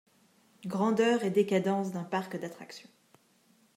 Grandeur et décadence d’un parc d’attractions.